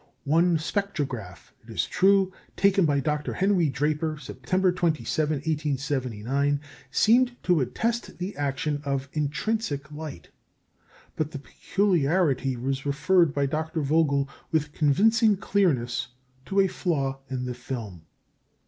One spectrograph, it is true, taken by Dr. Henry Draper, September 27, 1879, seemed to attest the action of intrinsic light; but the peculiarity was referred by Dr. Vogel, with convincing clearness, to a flaw in the film.